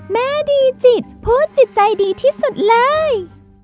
แม่ดีจิตโพสต์จิตใจดีที่สุดเลย